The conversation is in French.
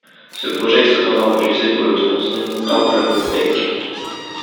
Ce projet est cependant refusé pour le tronçon Templeuve - Pecq.